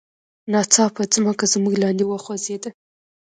ناڅاپه ځمکه زموږ لاندې وخوزیده.